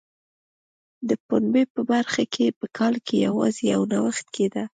د پنبې په برخه کې په کال کې یوازې یو نوښت کېده.